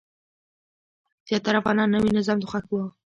زیاتره افغانان نوي نظام ته خوښ وو.